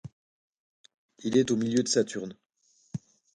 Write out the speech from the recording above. Il est au milieu de Saturne.